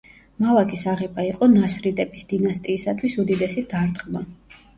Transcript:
მალაგის აღება იყო ნასრიდების დინასტიისათვის უდიდესი დარტყმა.